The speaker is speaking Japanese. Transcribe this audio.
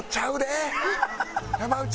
山内！